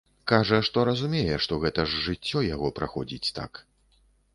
Кажа, што разумее, што гэта ж жыццё яго праходзіць так.